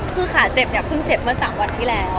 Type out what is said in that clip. คือขาเจ็บเนี่ยเพิ่งเจ็บเมื่อ๓วันที่แล้ว